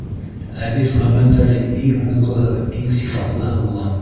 Ә бит ғәмәлдәрҙең иң һуңғыһы иң сифатлыһы була.